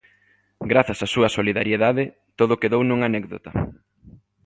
Grazas á súa solidariedade, todo quedou nunha anécdota.